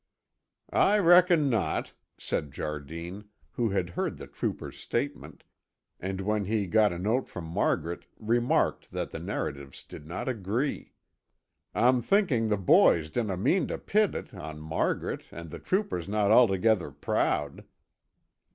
"I reckon not," said Jardine, who had heard the trooper's statement, and when he got a note from Margaret remarked that the narratives did not agree. "I'm thinking the boys dinna mean to pit it on Margaret and the trooper's no' altogether prood."